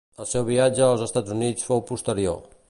El seu viatge als Estats Units fou posterior.